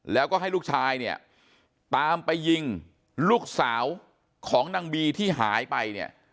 แล้วก็ให้ลูกชายเนี่ยตามไปยิงลูกสาวของนางบีที่หายไปเนี่ย